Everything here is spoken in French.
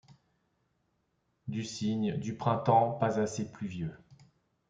Du cygne, du printemps pas assez pluvieux